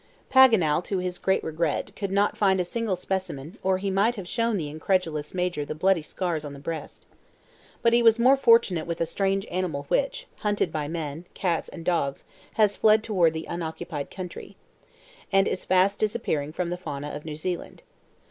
Paganel, to his great regret, could not find a single specimen, or he might have shown the incredulous Major the bloody scars on the breast. But he was more fortunate with a strange animal which, hunted by men, cats and dogs, has fled toward the unoccupied country, and is fast disappearing from the fauna of New Zealand.